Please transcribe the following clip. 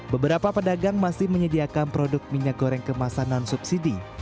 beberapa pedagang masih menyediakan produk minyak goreng kemasan non subsidi